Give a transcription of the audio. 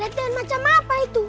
latihan macam apa itu